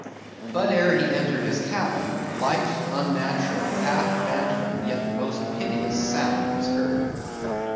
But ere he entered his cabin, light, unnatural, half bantering, yet most piteous sound was heard.